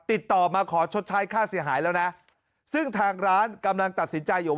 ติดต่อมาขอชดใช้ค่าเสียหายแล้วนะซึ่งทางร้านกำลังตัดสินใจอยู่